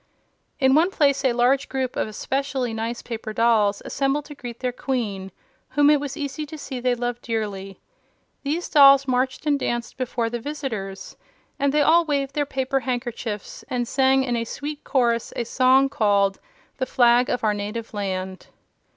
In one place a large group of especially nice paper dolls assembled to greet their Queen, whom it was easy to see they loved early. These dolls marched and danced before the visitors, and then they all waved their paper handkerchiefs and sang in a sweet chorus a song called "The Flag of Our Native Land."